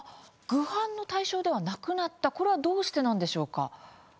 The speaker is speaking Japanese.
ぐ犯の対象ではなくなったこれはどうしてなんでしょうか。